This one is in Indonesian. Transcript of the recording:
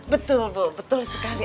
betul bu betul sekali